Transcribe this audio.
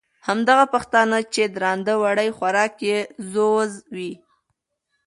او همدغه پښتانه، چې درانده وړي خوراک یې ځوز وي،